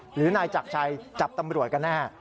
หรือนายจักรชัยจับตำรวจกันแน่